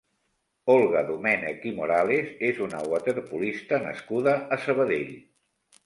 Olga Domènech i Morales és una waterpolista nascuda a Sabadell.